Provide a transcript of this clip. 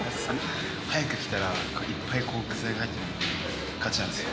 早く来たら、いっぱい具材が入ってるので勝ちなんですよ。